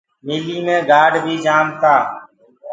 ميٚليٚ مي گآرڊ بي جآم تآ۔